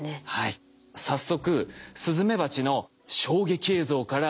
早速スズメバチの衝撃映像からご覧頂きます。